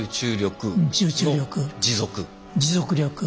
持続力。